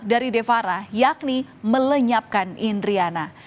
dari devara yakni melenyapkan indriana